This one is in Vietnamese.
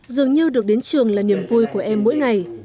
dường như được đến trường là niềm vui của em mỗi ngày